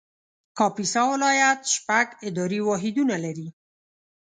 کاپیسا ولایت شپږ اداري واحدونه لري